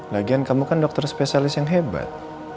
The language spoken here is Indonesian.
lagian kamu kan dokter spesialis yang hebat